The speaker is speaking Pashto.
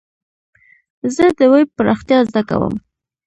زه د ويب پراختيا زده کوم.